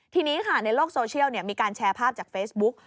ทีนี้ค่ะในโลกโซเชียลมีการแชร์ภาพจากเฟซบุ๊ก